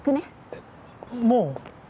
えっもう？